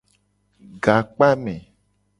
Gakpame.